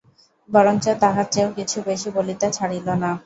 বরঞ্চ তাহার চেয়েও কিছু বেশি বলিতে ছাড়িল না।